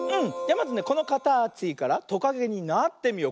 まずこのかたちからトカゲになってみよう。